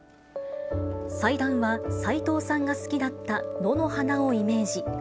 祭壇は、さいとうさんが好きだった野の花をイメージ。